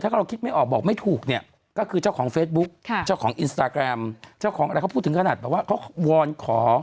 ถ้าเราคิดไม่ออกบอกไม่ถูกเนี่ยก็คือเจ้าของเฟซบุ๊กเจ้าของอินสตาแกรมเจ้าของอะไรเขาพูดถึงขนาดแบบว่าเขาวอนขอ